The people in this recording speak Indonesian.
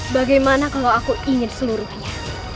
bagaimana kalau aku ingin seluruhnya